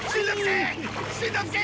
しんのすけ！